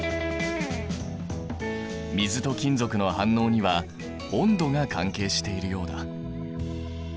水と金属の反応には温度が関係しているようだ。